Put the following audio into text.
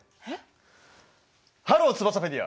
ハローツバサペディア。